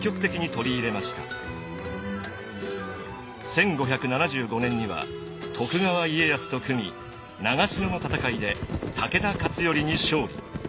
１５７５年には徳川家康と組み長篠の戦いで武田勝頼に勝利。